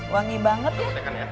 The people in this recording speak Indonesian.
wangi banget ya